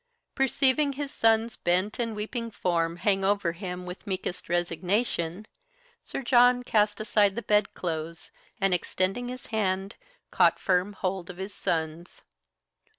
Perceiving his son's bent and weeping form hang over him with meekest resignation, Sir John cast aside the bedclothes, and, extending his hand, caught firm hold of his son's.